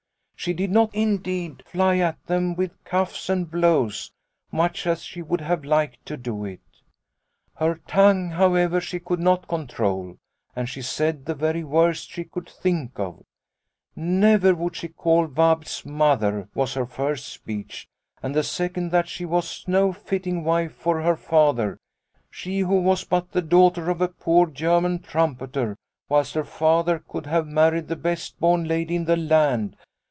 She did not indeed fly at them with cuffs and blows, much as she would have liked to do it. " Her tongue, however, she could not control, and she said the very worst she could think of. Never would she call Vabitz ' Mother ' was her first speech, and the second that she was no fitting wife for her Father, she who was but the daughter of a poor German trumpeter, whilst her Father could have married the best born lady in the land.